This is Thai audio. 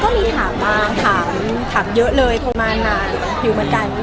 ก็มีถามมาถามเยอะเลยทดมานมากอยู่หมดกัน